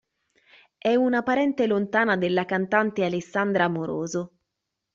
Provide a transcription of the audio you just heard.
È una parente lontana della cantante Alessandra Amoroso.